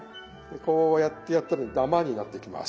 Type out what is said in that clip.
こうやってやってるとダマになってきます。